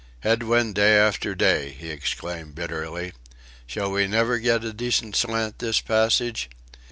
"Head wind day after day," he exclaimed, bitterly. "Shall we never get a decent slant this passage?"